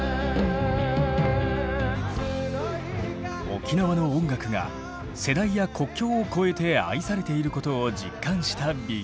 沖縄の音楽が世代や国境を越えて愛されていることを実感したＢＥＧＩＮ。